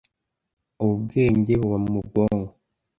Ubu bwenge, buba mu bwonko